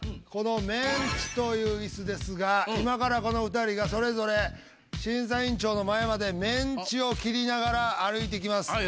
このメンチというイスですが今からこの２人がそれぞれ審査委員長の前までメンチを切りながら歩いてきます。